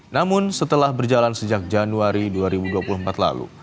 namun setelah berjalan sejak januari dua ribu dua puluh empat lalu